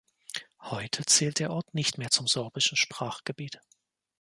Heute zählt der Ort nicht mehr zum sorbischen Sprachgebiet.